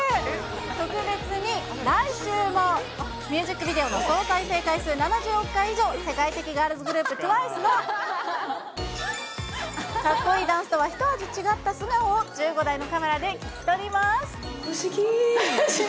特別に、来週もミュージックビデオの総再生回数７０億回以上、世界的ガールズグループＴＷＩＣＥの、かっこいいダンスとは一味違った素顔を１５台のカメラで聞き撮りふしぎー。